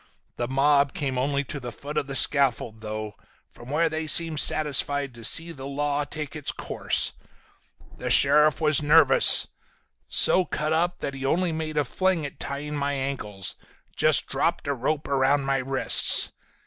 The mob came only to the foot of the scaffold though, from where they seemed satisfied to see the law take its course. The sheriff was nervous. So cut up that he only made a fling at tying my ankles, just dropped a rope around my wrists.